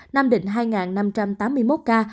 nam định hai năm trăm tám mươi một ca